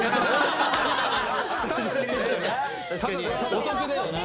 お得だよな。